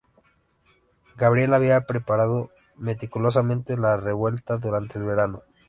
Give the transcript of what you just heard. Gabriel había preparado meticulosamente la revuelta durante el verano.